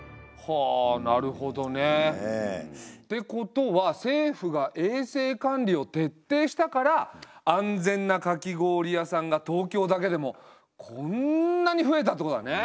ってことは政府が衛生管理を徹底したから安全なかき氷屋さんが東京だけでもこんなに増えたってことだね？